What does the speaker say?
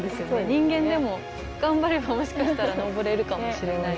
人間でも頑張ればもしかしたら登れるかもしれない。